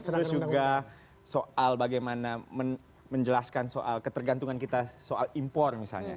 terus juga soal bagaimana menjelaskan soal ketergantungan kita soal impor misalnya